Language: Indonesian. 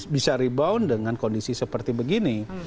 bisa rebound dengan kondisi seperti begini